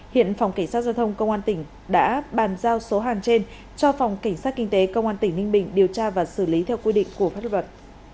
hiện phòng cảnh sát giao thông công an tỉnh đã bàn giao số hàng trên cho phòng cảnh sát kinh tế công an tỉnh ninh bình điều tra và xử lý theo quy định của pháp luật